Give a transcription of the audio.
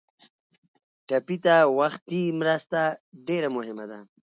ټپي ته وختي مرسته ډېره مهمه ده.